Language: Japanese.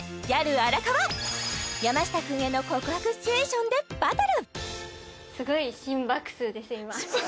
荒川山下くんへの告白シチュエーションでバトル！